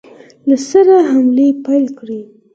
له سره حملې پیل کړې.